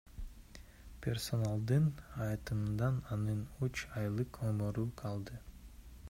Персоналдын айтымында анын үч айлык өмүрү калды.